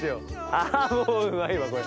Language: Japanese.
あもううまいわこれ。